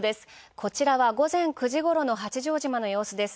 こちらは午前９時頃の八丈島の様子です。